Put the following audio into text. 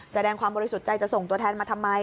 แสดงความบริสุทธิ์ใจจะส่งตัวแทนมาทำไม